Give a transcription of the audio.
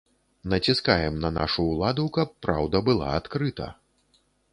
Націскаем на нашу ўладу, каб праўда была адкрыта.